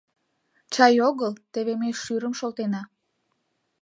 Чай огыл, теве ме шӱрым шолтена.